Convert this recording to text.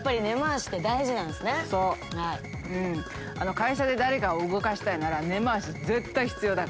会社で誰かを動かしたいなら根回し絶対必要だから。